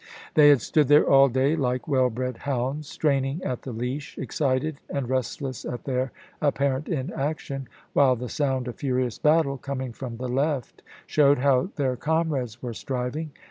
^ They had stood there all day, like well bred hounds straining at the leash, excited and restless at their apparent inaction, while the sound of furious battle, coming from the left, showed how their comrades were striving.